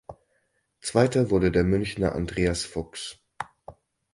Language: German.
Zweiter wurde der Münchener Andreas Fuchs.